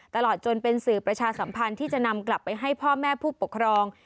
ตลอดจนเป็นสื่อประชาสัมพันธ์ที่จะนำกลับไปให้พ่อแม่ผู้ปกครอง